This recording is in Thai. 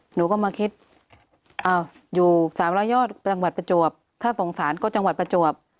หนูก็มาคิดอยู่๓๐๐ยอดจังหวัดประจวบถ้าสงสารก็จังหวัดประจวบ